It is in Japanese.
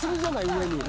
上に。